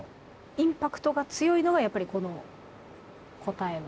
インパクトが強いのがやっぱりこの答えの。